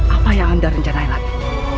apa yang anda rencanai lagi